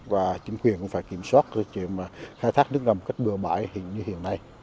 và chính quyền cũng phải kiểm soát cái chuyện khai thác nước ngầm cách bừa mãi như hiện nay